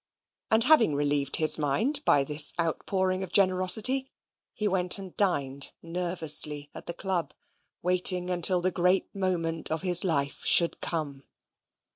And having relieved his mind by this outpouring of generosity, he went and dined nervously at the club, waiting until the great moment of his life should come.